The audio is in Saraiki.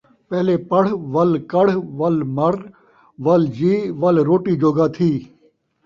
پہلے پڑھ، ول کڑھ، ول مر، ول جی، ول روٹی جوڳا تھی